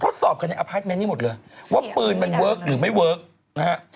เขาทดสอบคณะอภาษณ์แม่นี่หมดเลยว่าปืนมันเวิร์กหรือไม่เวิร์กนะฮะ